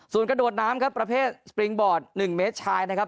ส่วนกระโดดน้ำครับประเภทสปริงบอร์ด๑เมตรชายนะครับ